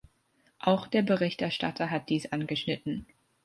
Auch der Berichterstatter hat dies angeschnitten.